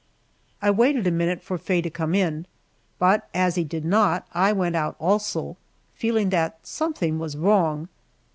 I waited a minute for Faye to come in, but as he did not I went out also, feeling that something was wrong.